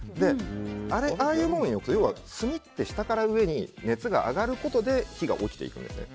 ああいうものって下から上に熱が上がることで火がおきていくんですね。